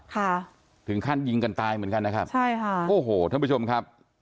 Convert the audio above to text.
ค่ะถึงขั้นยิงกันตายเหมือนกันนะครับใช่ค่ะโอ้โหท่านผู้ชมครับ